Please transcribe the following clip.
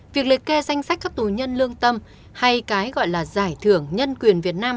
việc liệt kê danh sách các tù nhân lương tâm hay cái gọi là giải thưởng nhân quyền việt nam